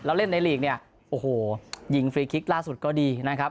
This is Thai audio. แล้วเล่นในลีกเนี่ยโอ้โหยิงฟรีคลิกล่าสุดก็ดีนะครับ